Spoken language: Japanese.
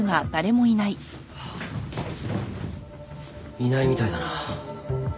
いないみたいだな。